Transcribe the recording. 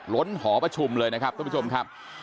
ล้นหอประชุมเลยนะครับ